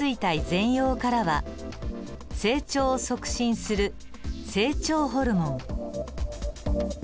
前葉からは成長を促進する成長ホルモン。